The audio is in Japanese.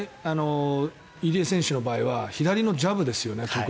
入江選手の場合は特に左のジャブですよね。